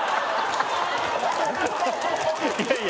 いやいや